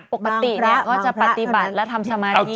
ปกติแล้วก็จะปฏิบัติและทำสมาธิ